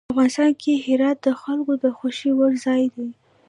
افغانستان کې هرات د خلکو د خوښې وړ ځای دی.